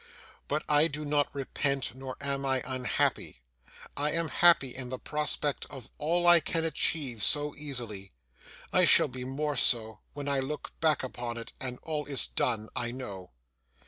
But I do not repent, nor am I unhappy. I am happy in the prospect of all I can achieve so easily. I shall be more so when I look back upon it, and all is done, I know.